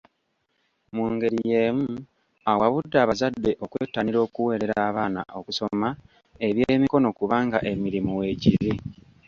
Mu ngeri y'emu, awabudde abazadde okwettanira okuweerera abaana okusoma eby'emikono kubanga emirimu weegiri.